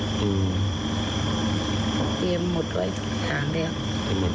พรุ่งเตรียมหมดไว้ทางเดียว